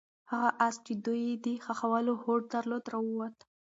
هغه آس چې دوی یې د ښخولو هوډ درلود راووت.